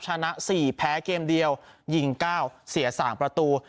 ชนะสี่แพ้เกมเดียวยิงเก้าเสียสามประตู